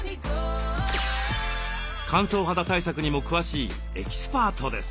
乾燥肌対策にも詳しいエキスパートです。